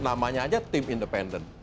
namanya aja tim independen